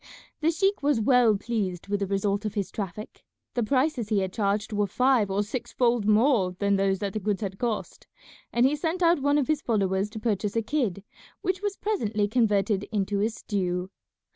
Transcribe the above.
The sheik was well pleased with the result of his traffic. The prices he had charged were five or six fold more than those that the goods had cost, and he sent out one of his followers to purchase a kid, which was presently converted into a stew.